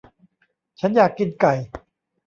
ฉันอยากกินไก่